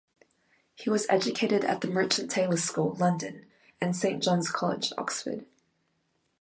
He was educated at the Merchant Taylors' School, London and Saint John's College, Oxford.